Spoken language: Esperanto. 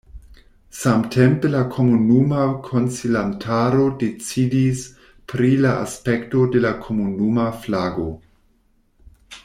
Samtempe la komunuma konsilantaro decidis pri la aspekto de la komunuma flago.